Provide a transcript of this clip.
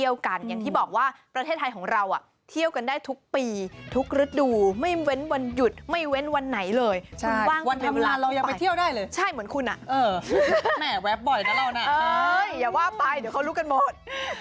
อย่าว่าไปเดี๋ยวเขารู้กันหมด